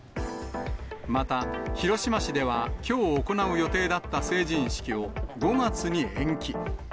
また、広島市では、きょう行う予定だった成人式を５月に延期。